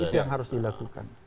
itu yang harus dilakukan